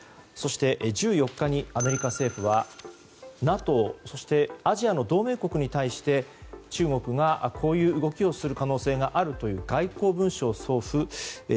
そして、１４日にアメリカ政府はＮＡＴＯそして、アジアの同盟国に対して中国がこういう動きをする可能性があるという外交文書を送付。